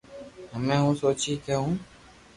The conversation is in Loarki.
ھمو ۾ سوچئو ھي ڪي ھون